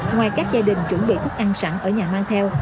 ngoài các gia đình chuẩn bị thức ăn sẵn ở nhà mang theo